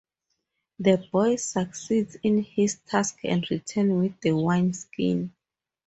The boy succeeds in his task and returns with the wineskin.